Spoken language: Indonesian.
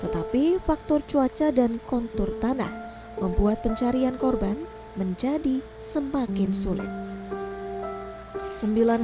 tapi faktor cuaca dan kontor tanah membuat pencarian korban menjadi semakin sulit sembilan